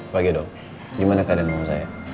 pagi dok gimana keadaan ibu saya